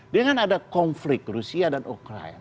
dengan ada konflik rusia dan ukraina